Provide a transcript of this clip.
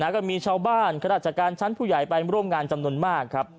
ก็มีชาวบ้านข้าราชการชั้นผู้ใหญ่ไปร่วมงานจำนวนมากครับ